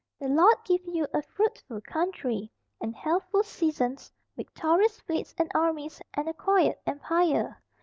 "The Lord give you a fruitful country, and healthful seasons, victorious fleets and armies, and a quiet Empire."